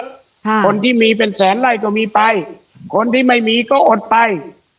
ค่ะคนที่มีเป็นแสนไล่ก็มีไปคนที่ไม่มีก็อดไป